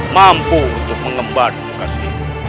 mampu untuk mengembal tugas ini